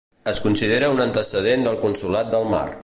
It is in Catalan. Es considera un antecedent del Consolat del Mar.